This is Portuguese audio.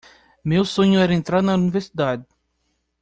Meu sonho era entrar na universidade